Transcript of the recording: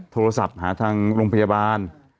โทรศัพท์หาทางโรงพยาบาล